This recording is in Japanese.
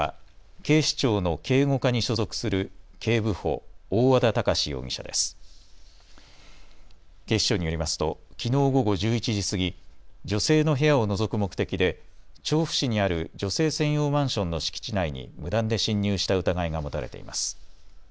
警視庁によりますと、きのう午後１１時過ぎ、女性の部屋をのぞく目的で調布市にある女性専用マンションの敷地内に無断で侵入した疑いが持たれています。